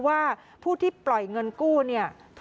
ว่าผู้ที่ปล่อยเงินกู้เนี่ย